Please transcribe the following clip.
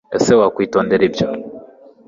ese wakwitondera ibyo